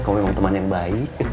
kamu memang teman yang baik